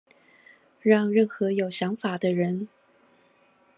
讓任何有想法的人